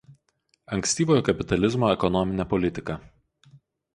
Ankstyvojo kapitalizmo ekonominė politika.